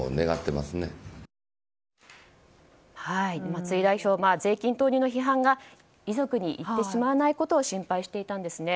松井代表は税金投入の批判が遺族に行ってしまうことを心配していたんですね。